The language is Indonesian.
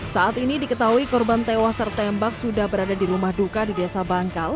saat ini diketahui korban tewas tertembak sudah berada di rumah duka di desa bangkal